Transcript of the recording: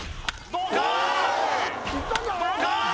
どうか！？